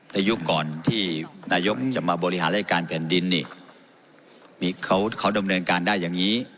ยุคก่อนที่นายกจะมาบริหารรายการแผ่นดินนี่เขาดำเนินการได้อย่างนี้